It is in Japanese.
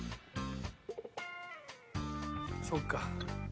そっか。